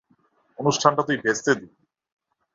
অনুষ্ঠানটা তুই ভেস্তে দিবি।